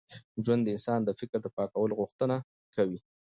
ژوند د انسان د فکر د پاکوالي غوښتنه کوي.